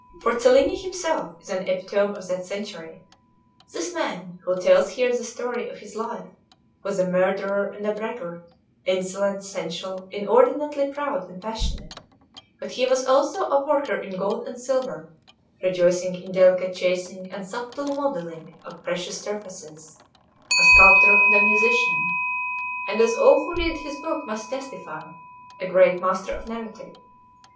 For Cellini himself is an epitome of that century. This man who tells here the story of his life was a murderer and a braggart, insolent, sensual, inordinately proud and passionate; but he was also a worker in gold and silver, rejoicing in delicate chasing and subtle modelling of precious surfaces; a sculptor and a musician; and, as all who read his book must testify, a great master of narrative.